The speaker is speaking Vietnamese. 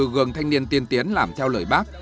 hai mươi bốn gương thanh niên tiên tiến làm theo lời bác